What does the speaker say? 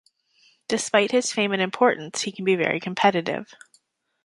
Despite his fame and importance, he can be very competitive.